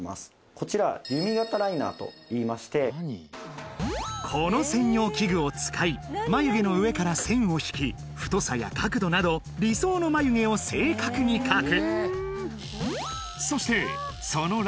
こちら弓形ライナーといいましてこの専用器具を使い眉毛の上から線を引き太さや角度など理想の眉毛を正確に描く